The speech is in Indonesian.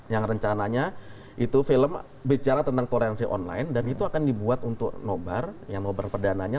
yang rencananya itu film bicara tentang koreansi online dan itu akan dibuat untuk nobar yang nobar perdananya